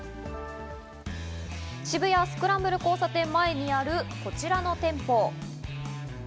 渋谷スクランブル交差点前にあるこちらの店舗。